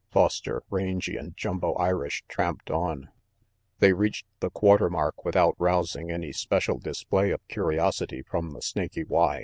Foster, Rangy and Jumbo Irish tramped on. They reached the quarter mark without rousing any special display of curiosity from the Snaky Y.